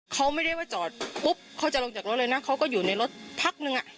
เขาไม่ได้ว่าจอดปุ๊บเขาจะลงจากรถเลยนะเขาก็อยู่ในรถพักหนึ่งอ่ะ